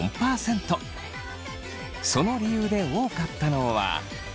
その理由で多かったのは。